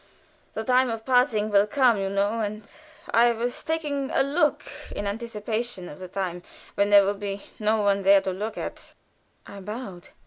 The time of parting will come, you know, and I was taking a look in anticipation of the time when there will be no one there to look at." I bowed.